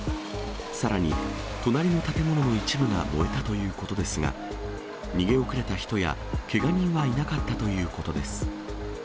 さらに、隣の建物の一部が燃えたということですが、逃げ遅れた人や、けが人はいなかったということです。